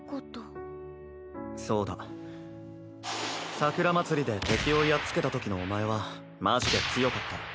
桜まつりで敵をやっつけたときのお前はマジで強かった。